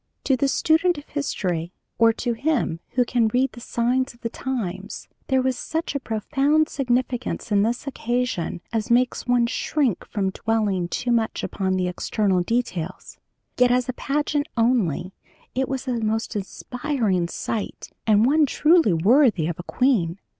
"To the student of history, or to him who can read the signs of the times, there was such a profound significance in this occasion as makes one shrink from dwelling too much upon the external details. Yet as a pageant only it was a most inspiring sight, and one truly worthy of a queen.